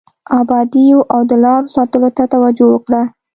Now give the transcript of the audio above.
ابادیو او د لارو ساتلو ته توجه وکړه.